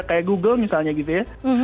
kayak google misalnya gitu ya